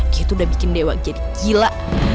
dia tuh udah bikin dewa jadi gila